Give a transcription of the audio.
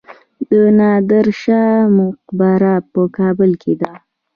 د نادر شاه مقبره په کابل کې ده